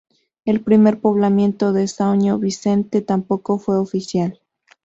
El primer poblamiento de São Vicente tampoco fue oficial.